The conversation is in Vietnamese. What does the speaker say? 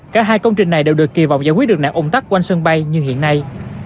cả hai công trình này đều được kỳ vọng giải quyết được nạn ủng tắc quanh sân bay như hiện nay